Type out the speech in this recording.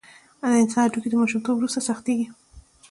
د انسان هډوکي د ماشومتوب وروسته سختېږي.